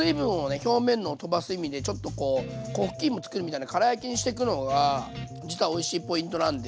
表面のを飛ばす意味でちょっとこう粉ふきいもつくるみたいなから焼きにしていくのが実はおいしいポイントなんで。